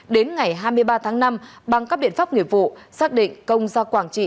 đến ngày hai mươi ba tháng năm bằng các biện pháp nghiệp vụ xác định công ra quảng trị